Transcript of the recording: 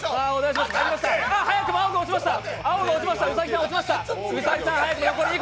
早くも青が落ちました。